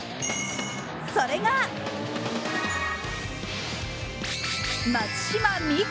それが、松島美空。